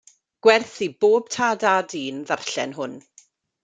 Gwerth i bob tad a dyn ddarllen hwn.